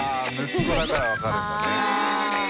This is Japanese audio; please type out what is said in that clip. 息子だから分かるんだね。